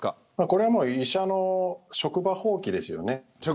これは医者の職場放棄ですよね